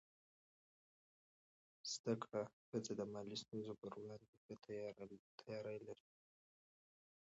زده کړه ښځه د مالي ستونزو پر وړاندې ښه تیاری لري.